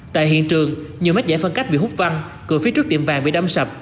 tại hiện trường nhiều mét giải phân cách bị hút văn cửa phía trước tiệm vàng bị đâm sập